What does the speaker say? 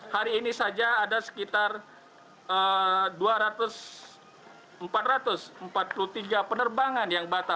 hari ini saja ada sekitar dua ratus empat puluh tiga penerbangan